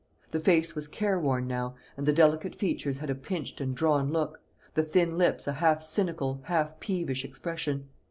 The face was careworn now, and the delicate features had a pinched and drawn look, the thin lips a half cynical, half peevish expression.